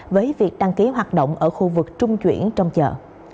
với việc đăng ký hoạt động ở khu vực trung chuyển trong chợ